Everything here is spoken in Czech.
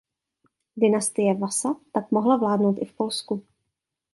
Dynastie Vasa tak mohla vládnout i v Polsku.